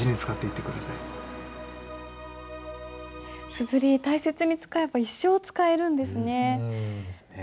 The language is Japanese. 硯大切に使えば一生使えるんですね。ですね。